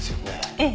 ええ。